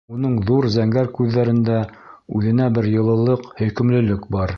Уның ҙур зәңгәр күҙҙәрендә үҙенә бер йылылыҡ, һөйкөмлөлөк бар.